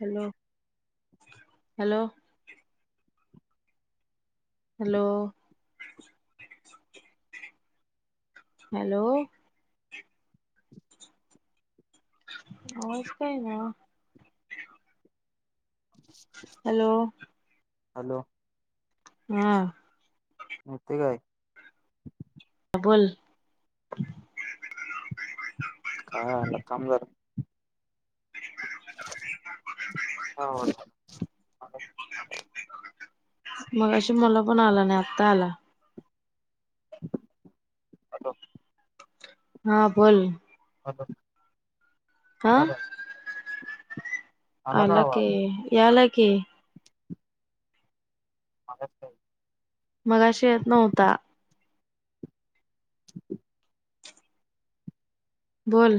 Hello. Hello. Hello.. hello. आवाज का येईना ओ? हॅलो. हॅलो. हा. येतय का आयकू? बोल. काय आलं? [unintelligible] [unintelligible] [unintelligible] मगाशी मला पन आला नाय आता आला. हॅलो. हा बोल. रिकामा ऑडिओ हा आला काय? का आला आवाज कीं याला के. [unintelligible] मगाशी येतं नव्हता. रिकामा ऑडिओ बोल.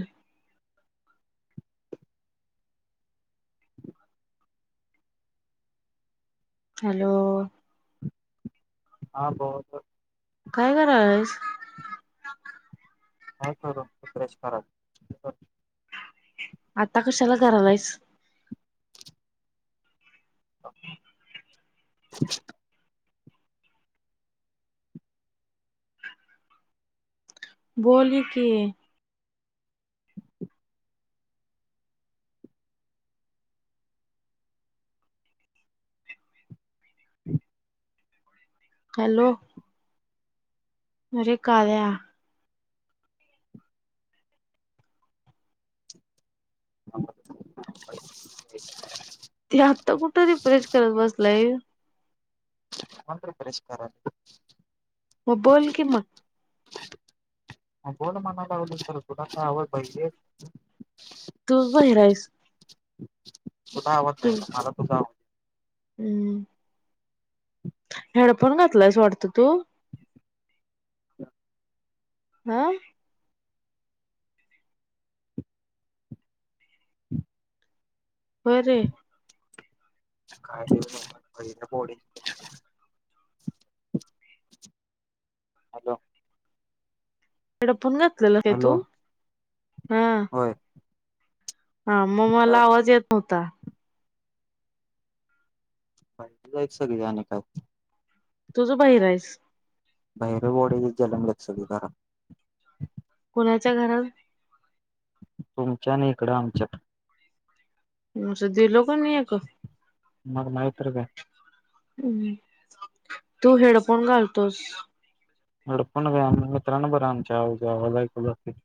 हॅलो. हा बोल. काय करलीस? काय करू? रिफ्रेश करालोय. आता कशाला करायलास? मग [unintelligible] बोल की हॅलो. अरे कळ्या. [unintelligible] ते आत्ता कुठं रिफ्रेश करत बसलाईस. मग रिफ्रेश करायचं. म बोल किं म. बोल म्हणालागलोय तर तुला का आवज पाहिजे. तू बाहिरा आहेस. फू [inaudible] तुझा आवाज जाईना मला तुझा आव हम्म. हेडफोन घातलायस वाटत तू ह. बरे. [unintelligible] हॅलो. हेडफोन घात लेला काय हॅलो तू हा होय. हा म काय मला आवाज येत नव्हता. ता. [unintelligible] तुझ बाहिरायेस. बाहेरे [unintelligible] जलमलीत सगळी घरात. कुनाच्या घरात. तुमच्या आणि इकडं आमच्यात. म अमच दिलो पण का? मग नाही तर काय. हम् तू हेडफोन घालतोस. हेडफोन घा मित्रांनो बर आमच्या आवज ऐकू जातोय.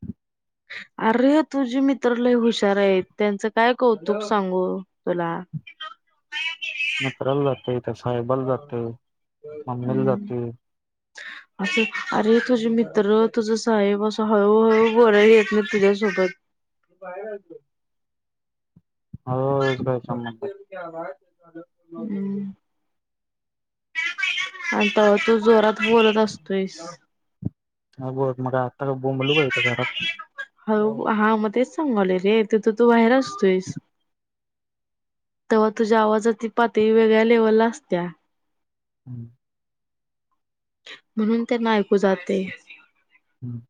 अरे तुझी मित्रलय हुशारेत त्यांचं काय कौतुक सांगू तुला. ते साहेबाला जाते मबईला हम्म. जाते. असं अरे तुझे मित्र तुझ साहेब असं हळूहळू बोलायला येत नाही तुझ्यासोबत हो. [unintelligible] की आवाज. हम्म, आणि त्यवा तू जोरात बोलत असतोयस. हा बोलत मग काय आ बोमबलू का ईथ घरात. हळू हा मग तेच सांगले रे तथ तू बाहेर तेस तेव्हा तुझ्या आवाजाती पातळी वेगळ्या लेव्हलला असत्या हम्म म्हणून त्यांना ऐकू जाते हम्म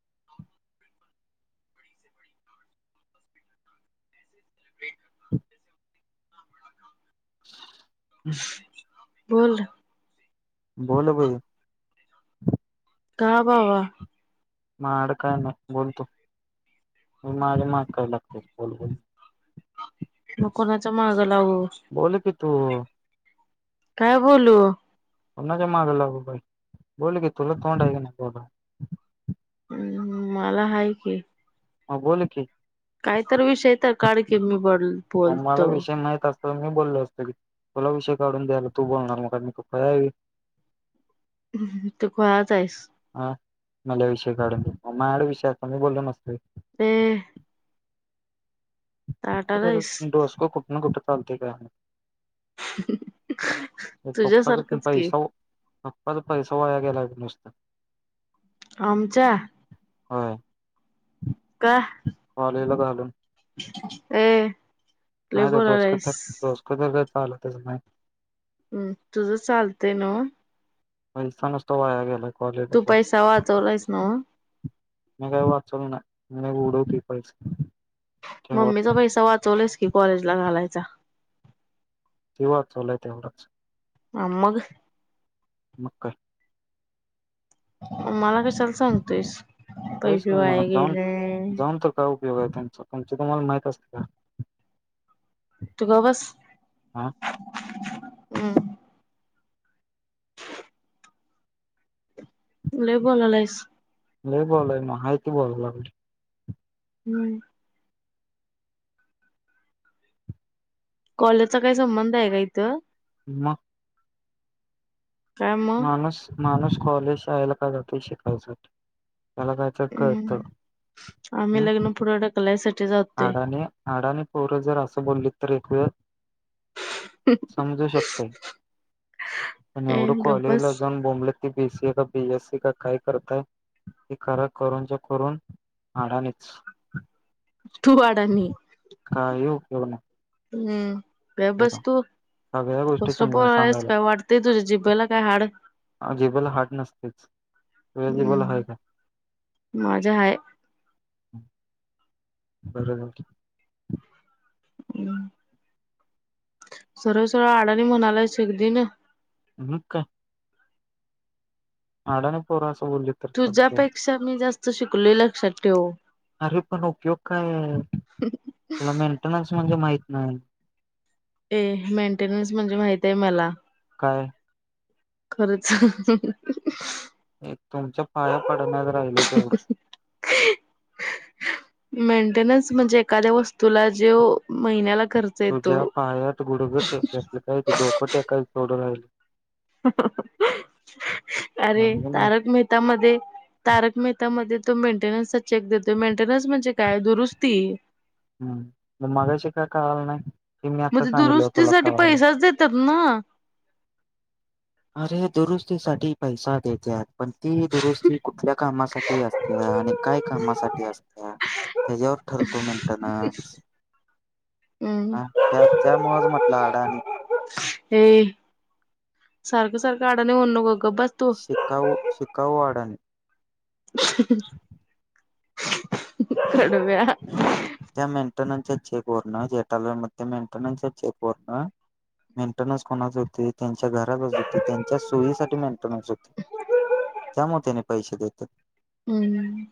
हम् बंद बोल बय का बावा म अडकाय ना बोलोलतो म म मा काय लागत बल होल न कोणाच्या मागा त काय बोलू ्हा जमाग लाग बाई बोल की तुला तोंड आहेे ना बड हम् मला आहेा की ह बोोल की काहीत विषय तर काळ की मी बोल बोलतो तर मी बोलल असतं की तुला विषय काढून द्यायला तू बोलणार म मी तवी त ख आ सत्चावीस मल्या विषयी काढून माड विषय आता मी बोललो मसतते हम आहेस ोसक खूप कुठतागत तुझ्यासारखंच की ह परत सोवाळ्या गेला नुसतं आमच्या हा लं घालून हम नाही डोसकोसकथर चालतेचय हम्म तुझं चालतंय न पैथ नसतो वाया गेला कॉलेजला तू जाऊन पैसा वाचवलायस ना मी काही वाचल नाही म उडवते पैसे ठेवत मम्मीचा नाही पैसा वाचवलाच कि कॉलेज ला घालायचा तेव्हा चालय तेवढंच आ मग मकर मला क चल सांगतोयस काही होयच की मग पिवाय जाऊन गेले जाऊन तर काय उपयोग आहे त्यांचा तुमच तम्हाला माहित असते का तू ग बस. हा हम्. लय बोला लायीस? लय बोलय नाही हाय ते बोलय लागलोय. हम. कॉलेजचा काही संबंध आहे काय इथं? म, काय म? माणूस कॉलेज शाळेला का जातोय शिकाय साठी. हम् आम्ही लग्न पुढ ढकलायसाठी जातोय अडाणी-आडानी पोर जर असं बोलली तर एक वेळ समजू शकतोय. पण ए एवढं गप बस कॉलेजला जाऊन बोंबलत ते बी सी ए का बी एस सी का काय करताय ते करा करूनच्या करून आडानीच. तू आडाणी. वूने. हम्म. गप बस तू सगळ्या गोष्टी कस समजून बोलालाईस काय सांगायला वाटतय तुझ्या जिबला काय हाड, जिबेला हाट नसतेच तुझ्या जिबेला हाय हम् का माझ्या हाय. बरोबर. म् सरळ-सरळ आडाणी म्हणालाइस एक दिन, मग काय? आडानी पोर आ तुझ्यापेक्षा मी जास्त शिकलोय लक्षात ठेव. अरे पण उपयोग काय? तेला मेंटेनन्स म माहित नाही. ए मेंटेनन्स म्हणजे माहित आहे मला. काय? खरच तुमच्या पाया पडण्यात राहिले तेवढं मेंटेनन्स म्हणजे एखाद्या वस्त तुला जेव तुझ्या पायात गुडग टेकायच काय ते डोकं टेकायच तेवढ राहिलय. अरे राहिलं तारक मेहता मध्ये तारक मेहता मध्ये तो मेंटेनन्स चा चेक देतोय मेंटेनन्स म्हणजे काय दुरुस्ती. हम्म मगाशी का कळाल नाय? मजे दुरुस्तीसाठी पैसाच देतात? म. अरे दुरुस्तीसाठी पैसा देत्यात पण ती दुरुस्ती कुठल्या कामासाठी असत्या, आणि काय कामासाठी असत्या त्याच्यावर ठरतो मेंटेनन्स हम्म ह त्या त्यामुळच म्हटलं अडाणी. सारख सारख आडाने होन शिकाऊ शिकाऊ ह [inaudible] कडव्या त्या चेक व जेटाल मध्ये मेंटेनच्या चेक वरण मेंटेनन्स कोणाच होते त्यांच्या घरातच होती त्यांच्या सोयीसाठी मेंटेनन्स होते त्यामुळे त्यानी पैसे देतात हम्म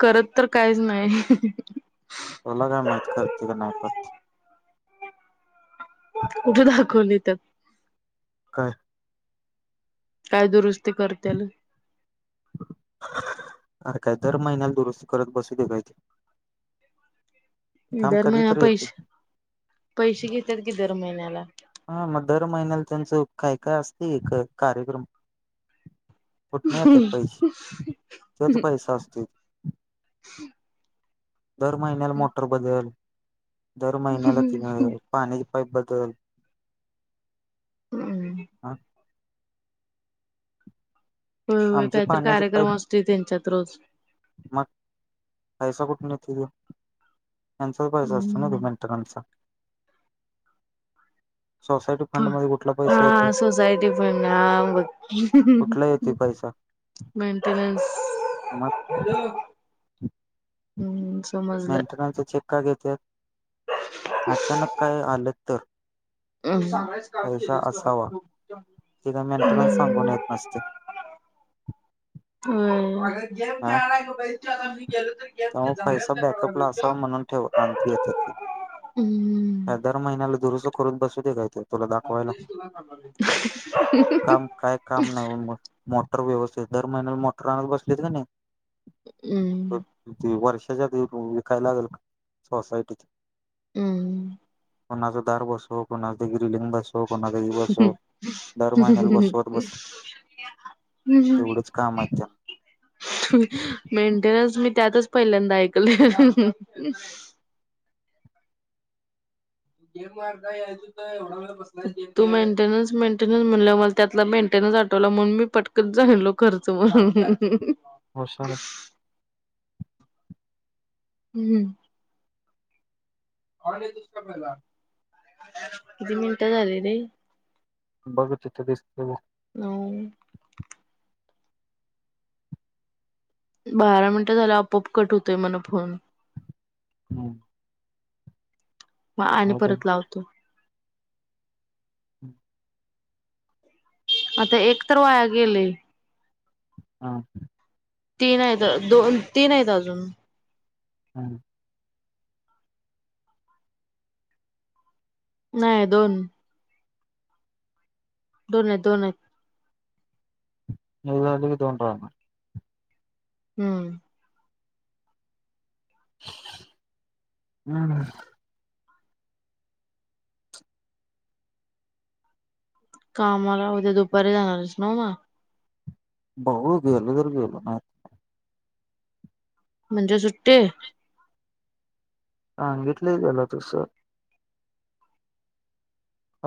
करत तर काहीच नाही तुला काय माहित करते का नाही करते कुठे दाखवली तर काय काय दुरुस्त ते करतल अर काय दर महिन्याला दुरुस्ती करत बसूदे काय ते थांब दर कधी महिना तरी येते पैसे पैसे घेतात कि दर महिन्याला हा मग दर महिन्याला त्यांचं काय काय असते एक कार्यक्रम कुठ नाही येते पैसे ते तर पैसा असत हम् दर महिन्याला मोटर बदल दर महिन्याला त पाणी पाईप बदल हम्म ह होय होय आमचे काहीतर पाण्याचे कार्यक्रम पाईप असतील त्यांच्यात रोज न त त्यांचा पैसा असतो ना हम्म मेंटेनन्सचा. सोसायटी फंड मध्ये कुठला हा पैसा येते सोसईटी फंड हा म. कुठला येते [unintelligible] पैसा मेंटेनन्स. मग [unintelligible] [unintelligible] हम्म. समजलं. मेंटेनन्स च चेक का घेत्यात. अचानक काय आलं तर पैसा असावा [unintelligible] ते काय मेंटेनन्स सांगून [unintelligible] येत नसते व्हय. हा [unintelligible] त्यामुळे पैसा बॅकअपला असावा म्हणून ठेव आण येत्यात. ह दर महिनाला दूर करून पैसे देता येत्यात. तुला दाखवायला काम काय काम नाही मोटर व्यवस्थ दर महिन्या म मोटर आणत बसलेत का नाही. ते वर्ष त्याच्या विकायला लागेल सोसायटी हम्म. कोणाच दार बसव कोणा लिंग बसो कोणातही बसो दर महिन्याला बसत बस हम्म. तेवढच काम आहे त्या मेंटेनन्स मी त्यातच पहिल्यांदा ऐकलं. तू मेंटेनन्स मेंटेनन्स म्हण मला त्यातला मेंटेनन्स आठवला म्हणून मी पटकत जालो खर्च म्हणून हो सोरस. हम्म. किती मिनिटं झाले रे. बघ तिथं दिसत बघ. नऊ. बारा मिनिटं झालं आपोआप कट होतोय मन फोन. हम्म. मग आणि अजून परत लावतो. [unintelligible] आता एक तर वाया गेले. हा. तीन आहेत दोन तीन आहेत अजून. हम् नाही दोन दोन हायत दोन हायत [unintelligible] हम्म हम् कामाला उद्या दुपारी जाणारच ना म बगु गेलो तरर गेलो ना म्हणजे सुट्टे हां घितलं गेल तुस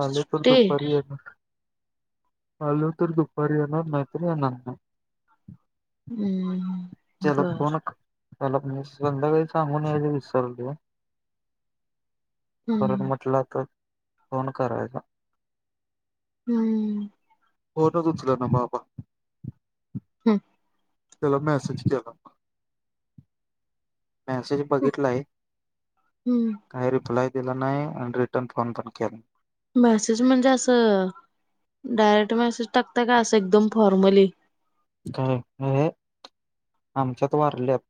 आलो तर सुट्टी दुपारी आहे ना आलो तर दुपारी येणार नाहीैत्री येणार नाय हम् चल कोनक त्याला म संध्याकाळी सांगून यायच विसरल परत हम्म म्हटलं तर फोन कराला हम्म फोनच उचलण बाबा हम् तेला मॅसेज केला मेसेज बघितला आहे हम्म काय रिप्लाय दिला नाही आणि रिटर्न फोन पण केला नाय मेसेज म्हणजे असं डायरेक्ट मेसेज टाकताय का असं एकदम फॉर्मली आमच्यात वारल्यात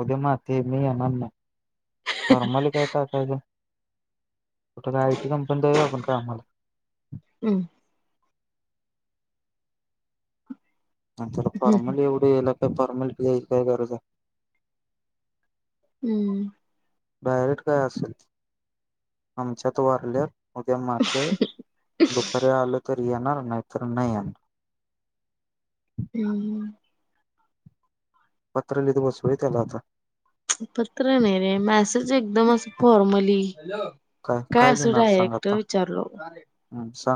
उद्या माती आहे मी येणार नाही फॉर्मली काय टाकायचं कुठं कायटी कंपनी आहे वय आपण कामला हम् नंतर हम्म फॉर्मल एवढे याला फॉर्मली यायची काय काय गरज आहे हम्म डायरेक्ट काय असेल आमच्यात वारल्यात उद्या माथे दुपारीे आल तर मी येणार नाहीतर नाही एणार हम्म पत्र लिहित बसू व्हय त्याला आता पत्र नाही रे मॅसेज एकदम असं फॉर्मली ह्यालो काय असा लिहिणार सांग डायरेक्ट आता विचारलो हम्म सांग